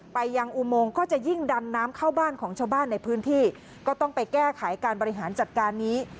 ไปยังอุโมงก็จะยิ่งดันน้ำเข้าบ้านของชาวบ้านในพื้นที่ก็ต้องไปแก้ไขการบริหารจัดการนี้